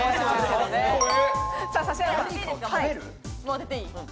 もう当てていい？